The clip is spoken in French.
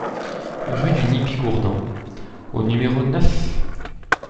Rue du Nid Bigourdan au numéro neuf